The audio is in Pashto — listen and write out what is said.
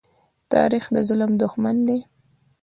تاریخ د ظلم دښمن دی.